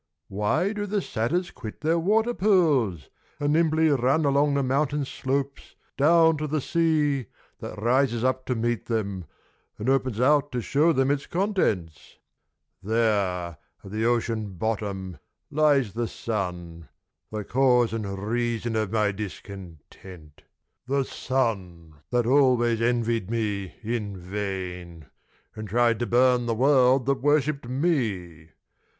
Why do tl quit their water pools, And nimbly run along the mountain slo] Down to the sea that rises up to meet them And opens out to show them its conten: There at the oceao bottom Sun, The cause and t my discontent : Sun that alw \ ain And tried to burn the world that worshipped me.